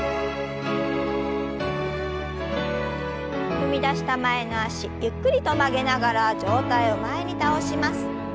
踏み出した前の脚ゆっくりと曲げながら上体を前に倒します。